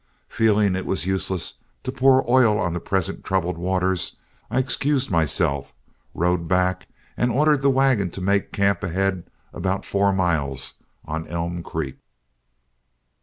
Feeling it was useless to pour oil on the present troubled waters, I excused myself, rode back, and ordered the wagon to make camp ahead about four miles on Elm Creek.